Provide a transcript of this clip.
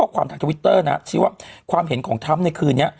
ความทางทวิตเตอร์นะความเห็นของท่ำในคืนนี้